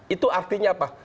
itu artinya apa